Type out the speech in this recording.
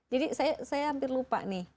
jadi saya hampir lupa nih